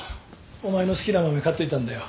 お前の好きな豆買っといたんだよ。